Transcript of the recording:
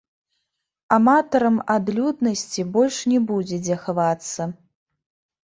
Аматарам адлюднасці больш не будзе дзе хавацца.